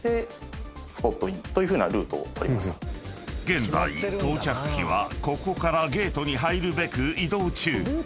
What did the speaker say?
［現在到着機はここからゲートに入るべく移動中］